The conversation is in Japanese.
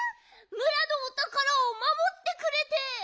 むらのおたからをまもってくれて。